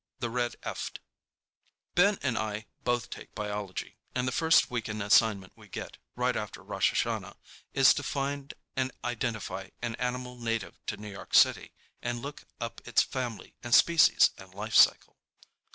] THE RED EFT Ben and I both take biology, and the first weekend assignment we get, right after Rosh Hashanah, is to find and identify an animal native to New York City and look up its family and species and life cycle.